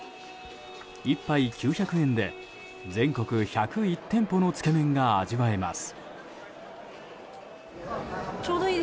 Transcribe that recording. １杯９００円で全国１０１店舗のつけ麺が味わえます。